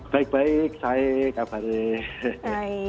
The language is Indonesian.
baik baik saya kabare